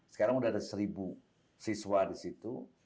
sekarang sudah ada seribu siswa di situ